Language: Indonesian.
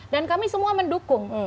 dan kami semua mendukung